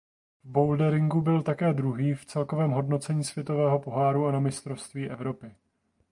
V boulderingu byl také druhý v celkovém hodnocení světového poháru a na mistrovství Evropy.